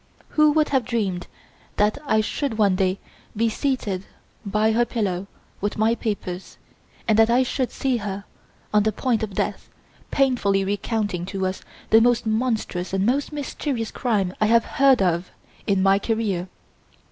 Who would have dreamed that I should one day be seated by her pillow with my papers, and that I should see her, on the point of death, painfully recounting to us the most monstrous and most mysterious crime I have heard of in my career?